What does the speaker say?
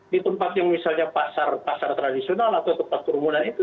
di tempat yang misalnya pasar pasar tradisional atau tempat kerumunan itu